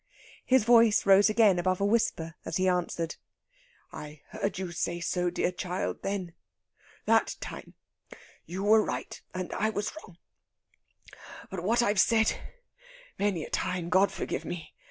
His voice rose again above a whisper as he answered: "I heard you say so, dear child ... then ... that time. You were right, and I was wrong. But what I've said many a time, God forgive me!